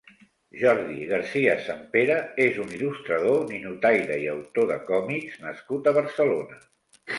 Jordi García Sempere és un il·lustrador, ninotaire i autor de còmics nascut a Barcelona.